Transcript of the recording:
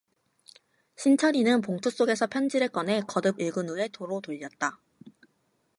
신철이는 봉투 속에서 편지를 꺼내 거듭 읽은 후에 도로 돌렸다.